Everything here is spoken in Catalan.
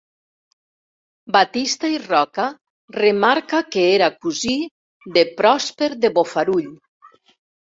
Batista i Roca remarca que era cosí de Pròsper de Bofarull.